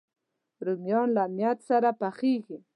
رومیان له نیت سره پخېږي